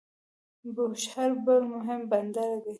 بوشهر بل مهم بندر دی.